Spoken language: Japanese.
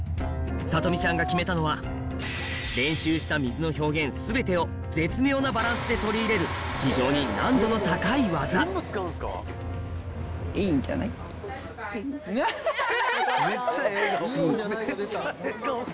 さとみちゃんが決めたのは練習した水の表現全てを絶妙なバランスで取り入れる非常に難度の高い技ハハハ！